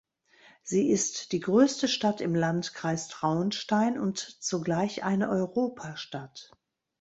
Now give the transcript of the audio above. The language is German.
Sie ist die größte Stadt im Landkreis Traunstein und zugleich eine Europastadt.